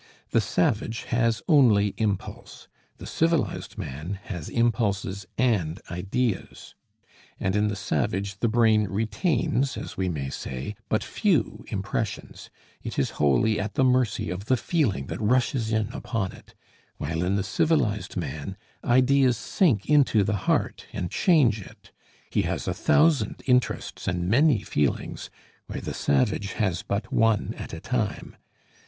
The savage has only impulse; the civilized man has impulses and ideas. And in the savage the brain retains, as we may say, but few impressions, it is wholly at the mercy of the feeling that rushes in upon it; while in the civilized man, ideas sink into the heart and change it; he has a thousand interests and many feelings, where the savage has but one at a time.